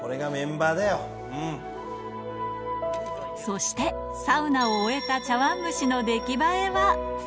そしてサウナを終えた茶わん蒸しの出来栄えは？